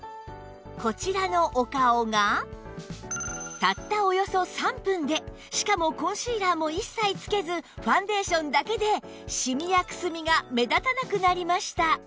こちらのお顔がたったおよそ３分でしかもコンシーラーも一切つけずファンデーションだけでシミやくすみが目立たなくなりました